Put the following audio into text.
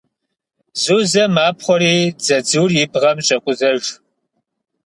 Зузэ мапхъуэри дзадзур и бгъэм щӏекъузэж.